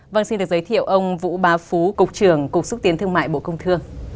vâng xin được giới thiệu ông vũ ba phú cục trưởng cục xúc tiến thương mại bộ công thương